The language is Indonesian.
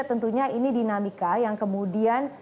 tentunya ini dinamika yang kemudian